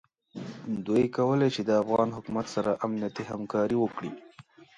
دوی کولای شي د افغان حکومت سره امنیتي همکاري وکړي.